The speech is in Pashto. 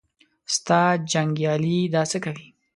ستا جنګیالي دا څه کوي.